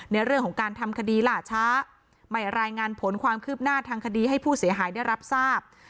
ในเรื่องของการทำคดีล่าช้าไม่รายงานผลความคืบหน้าทางคดีให้ผู้เสียหายได้รับทราบ